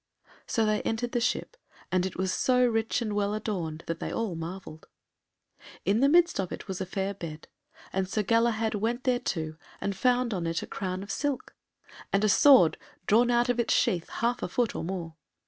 So they entered the ship, and it was so rich and well adorned, that they all marvelled. In the midst of it was a fair bed, and Sir Galahad went thereto and found on it a crown of silk, and a sword drawn out of its sheath half a foot and more.